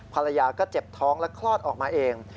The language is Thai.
ภรรยาก็เจ็บท้องและคลอดออกมาเอง